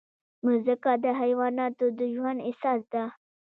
مځکه د حیواناتو د ژوند اساس ده.